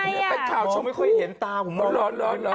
เป็นข่าวชอบไม่เคยเห็นตาแล้ว